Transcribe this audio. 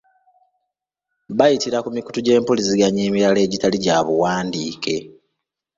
Bayitira ku mikutu gy’empuliziganya emirala egitali gya mu buwandiike.